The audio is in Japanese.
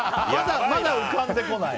まだ浮かんでこない。